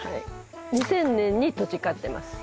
２０００年に土地買ってます。